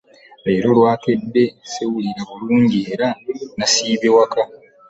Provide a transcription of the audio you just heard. Leero lwakedde sseewulira bulungi era nasiibye waka.